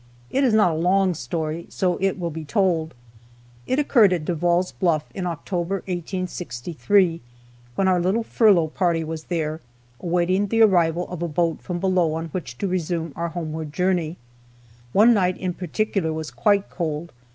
It is not a long story, so it will be told. It occurred at Devall's Bluff, in October, 1863, when our little furlough party was there, waiting the arrival of a boat from below on which to resume our homeward journey. One night in particular was quite cold.